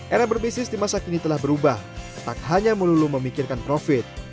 era berbisnis di masa kini telah berubah tak hanya melulu memikirkan profit